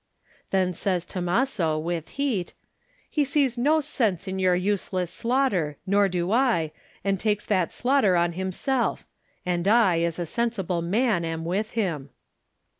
Then says Tommaso, with heat, "He sees no sense in your useless slaughter, nor do I, and takes that slaughter on himself; and I, as a sensible man, am with him."